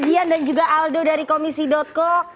gian dan juga aldo dari komisi co